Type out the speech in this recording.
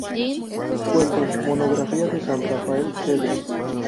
Fuente: Monografía de San Rafael Cedros.